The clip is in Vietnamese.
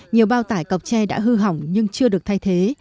nhiều bao tải cọc tre đã hư hỏng nhưng chưa được thay thế